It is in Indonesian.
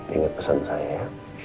ingat pesan saya ya